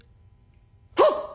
「あっ！